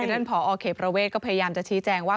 เพราะฉะนั้นพอเขพระเวทก็พยายามจะชี้แจงว่า